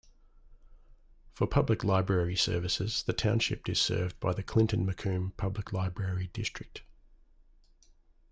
For public library services, the Township is served by the Clinton-Macomb Public Library district.